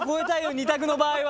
２択の場合は。